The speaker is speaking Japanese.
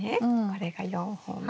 これが４本目。